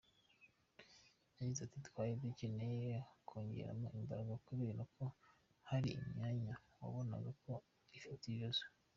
Yagize ati “Twari dukeneye kongeramo imbaraga kubera ko hari imyanya wabonaga ko ifite ibibazo.